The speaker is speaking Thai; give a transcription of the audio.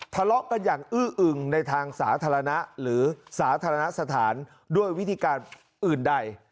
ทะเลาะกันอย่างอื้ออึงในทางสาธารณะหรือสาธารณสถานด้วยวิธีการอื่นใด